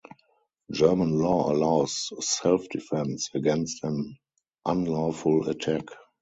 German law allows self-defense against an unlawful attack.